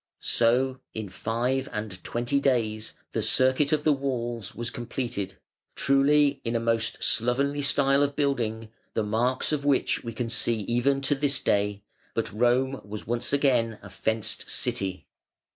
So in five and twenty days the circuit of the walls was completed, truly in a most slovenly style of building, the marks of which we can see even to this day, but Rome was once again a "fenced city".